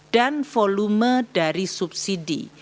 dan volume dari subsidi